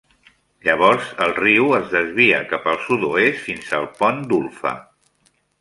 Llavors, el riu es desvia cap al sud-oest fins al pont d'Ulpha.